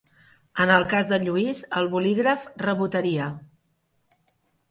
En el cas del Lluís, el bolígraf rebotaria.